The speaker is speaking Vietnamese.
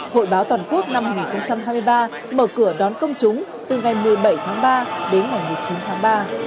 hội báo toàn quốc năm hai nghìn hai mươi ba mở cửa đón công chúng từ ngày một mươi bảy tháng ba đến ngày một mươi chín tháng ba